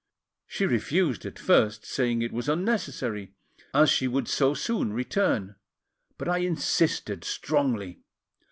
She refused at first, saying it was unnecessary, as she would so soon return; but I insisted strongly.